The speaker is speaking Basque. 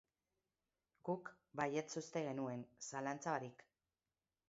Guk baietz uste genuen, zalantza barik.